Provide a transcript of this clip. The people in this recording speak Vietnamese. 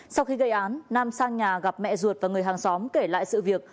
sau khi gây án nam sang nhà gặp mẹ ruột và người hàng xóm kể lại sự việc